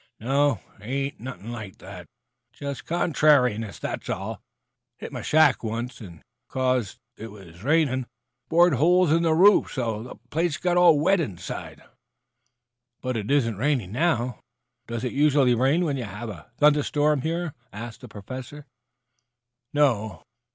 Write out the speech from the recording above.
"No, ain't nothing like that. Jest contrariness that's all. Hit my shack once, and 'cause 'twas raining, bored holes in the roof so the place got all wet inside." "But it isn't raining now. Doesn't it usually rain when you have a thunder storm here?" asked the Professor. "No.